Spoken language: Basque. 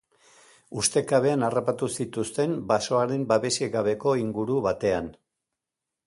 Ustekabean harrapatu zituzten basoaren babesik gabeko inguru batean.